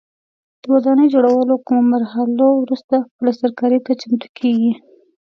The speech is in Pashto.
د ودانۍ جوړولو کومو مرحلو وروسته پلسترکاري ته چمتو کېږي.